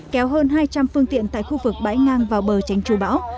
kéo hơn hai trăm linh phương tiện tại khu vực bãi ngang vào bờ tranh trù bão